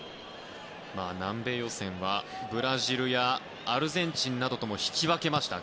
南米予選はブラジルやアルゼンチンなどとも引き分けました。